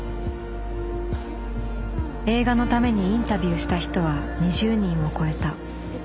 映画のためにインタビューした人は２０人を超えた。